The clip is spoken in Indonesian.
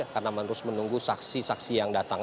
karena manus menunggu saksi saksi yang diperoleh